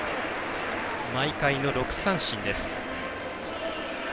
毎回の６三振です。